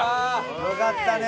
よかったね。